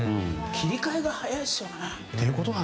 切り替えが早いですよね。